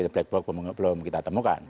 black box belum kita temukan